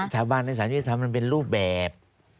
ชาวบ้านในสารยุทธธรรมมันเป็นรูปแบบ